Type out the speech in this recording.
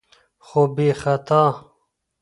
خو بې خطا